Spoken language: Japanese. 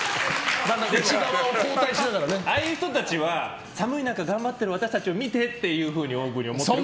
ああいう人たちは寒い中頑張ってる私たちを見てっていうふうにＯＷＶに思ってる。